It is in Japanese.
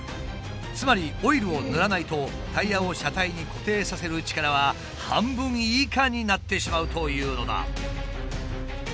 つまりオイルを塗らないとタイヤを車体に固定させる力は半分以下になってしまうというのだ。